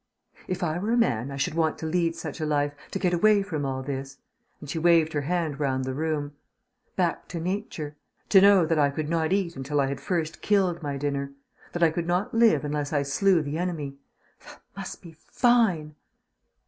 "If I were a man I should want to lead such a life; to get away from all this," and she waved her hand round the room, "back to Nature. To know that I could not eat until I had first killed my dinner; that I could not live unless I slew the enemy! That must be fine!"